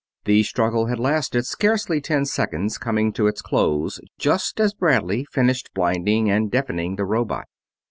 The struggle had lasted scarcely ten seconds, coming to its close just as Bradley finished blinding and deafening the robot.